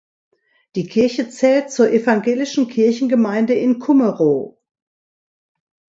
Die Kirche zählt zur evangelischen Kirchengemeinde in Kummerow.